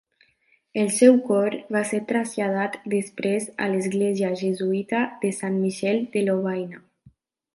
El seu cor va ser traslladat després a l'església jesuïta de Saint-Michel de Lovaina.